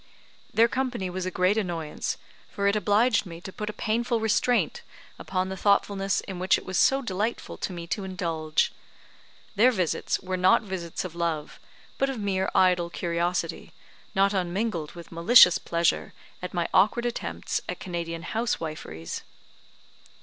Their company was a great annoyance, for it obliged me to put a painful restraint upon the thoughtfulness in which it was so delightful to me to indulge. Their visits were not visits of love, but of mere idle curiosity, not unmingled with malicious pleasure at my awkward attempts at Canadian house wifieries.